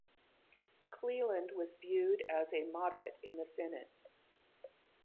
Cleland was viewed as a moderate in the Senate.